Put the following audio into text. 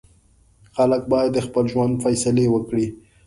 خلک باید د خپل ژوند فیصلې وکړي.